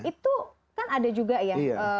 itu kan ada juga ya